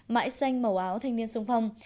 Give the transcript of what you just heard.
mãi xanh màu áo thanh niên sung phong